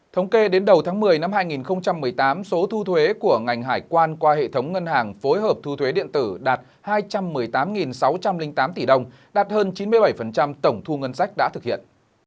thống kê đến đầu tháng một mươi năm hai nghìn một mươi tám số thu thuế của ngành hải quan qua hệ thống ngân hàng phối hợp thu thuế điện tử đạt hai trăm một mươi tám sáu trăm linh tám tỷ đồng đạt hơn chín mươi bảy tổng thu ngân sách đã thực hiện